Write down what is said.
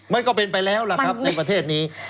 มันก็เป็นไปแล้วล่ะครับในประเทศนี้